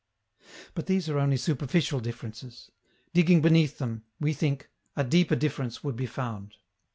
But these are only superficial differences. Digging beneath them, we think, a deeper difference would be found.